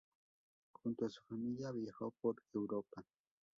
Junto a su familia viajó por Europa.